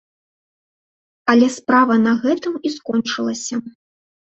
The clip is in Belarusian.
Але справа на гэтым і скончылася.